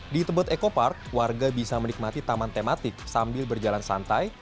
di tebet eco park warga bisa menikmati taman tematik sambil berjalan santai